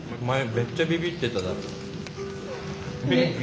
めっちゃビビってただろ？